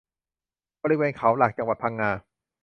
บริเวณเขาหลักจังหวัดพังงา